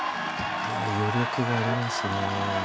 余力がありますね。